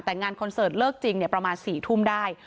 แต่งานคอนเสิร์ตเลิกจริงประมาณ๔ทุ่มได้